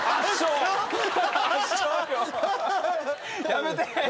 やめて！